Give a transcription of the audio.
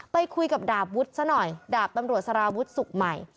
ไปคุยกับดาบวุฒิซะหน่อยดาบตำรวจสารวุฒิสุขใหม่